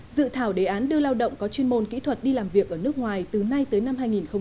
dự thảo đề án đưa lao động có chuyên môn kỹ thuật đi làm việc ở nước ngoài từ nay tới năm hai nghìn hai mươi